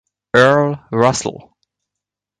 Earl Russell.